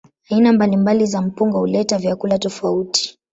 Aina mbalimbali za mpunga huleta vyakula tofauti.